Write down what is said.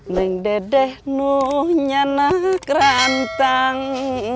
neng dedeh nu nyanak rantang